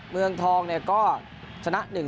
เมืองทองเนี่ยก็ชนะ๑๐